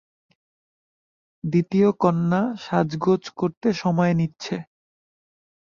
দ্বিতীয় কন্যা সাজগোজ করতে সময় নিচ্ছে।